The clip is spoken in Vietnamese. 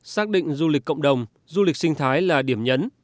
xác định du lịch cộng đồng du lịch sinh thái là điểm nhấn